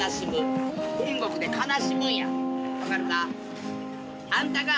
分かるか？